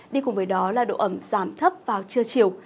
đi cùng với đó là độ ẩm giảm thấp vào trưa chiều